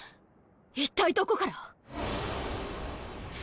一体どこから？